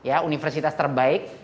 a universitas terbaik